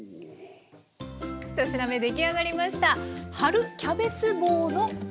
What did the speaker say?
１品目出来上がりました。